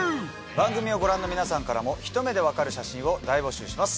番組をご覧の皆さんからもひと目でわかる写真を大募集します。